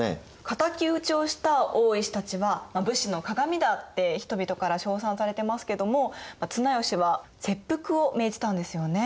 敵討ちをした大石たちは武士の鑑だって人々から称賛されてますけども綱吉は切腹を命じたんですよね。